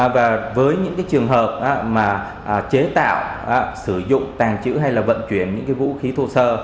với những trường hợp chế tạo sử dụng tàn trữ hay vận chuyển những vũ khí thô sơ